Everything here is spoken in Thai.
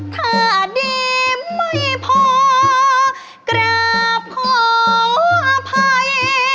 ถ้าดีไม่พอกราบขออภัย